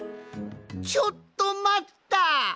ちょっとまった！